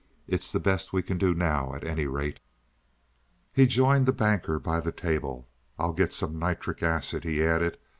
It's the best we can do now, at any rate." He joined the Banker by the table. "I'll get some nitric acid," he added.